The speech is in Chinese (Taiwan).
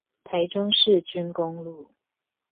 台中市軍功路